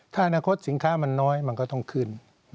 ถ้าอนาคตสินค้ามันน้อยมันก็ต้องขึ้น